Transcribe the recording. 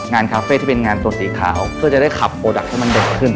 งานคาเฟ่ที่เป็นงานสวนสีขาวเพื่อจะได้ขับโปรแดกเติมขึ้น